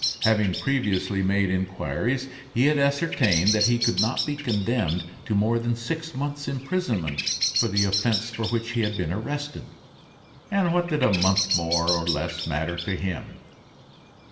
Having previously made inquiries he had ascertained that he could not be condemned to more than six months' imprisonment for the offense for which he had been arrested; and what did a month more or less matter to him?